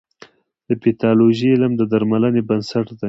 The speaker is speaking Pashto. د پیتالوژي علم د درملنې بنسټ دی.